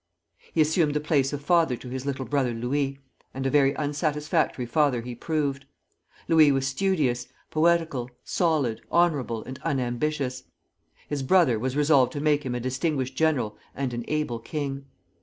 He assumed the place of father to his little brother Louis, and a very unsatisfactory father he proved. Louis was studious, poetical, solid, honorable, and unambitious. His brother was resolved to make him a distinguished general and an able king.